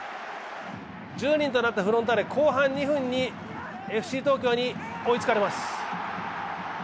１０人なったフロンターレ、後半２分にＦＣ東京に追いつかれます。